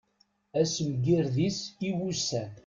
Asemgired-is i wussan.